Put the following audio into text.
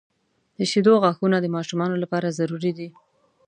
• د شیدو غاښونه د ماشومانو لپاره ضروري دي.